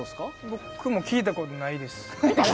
僕も聞いたことないです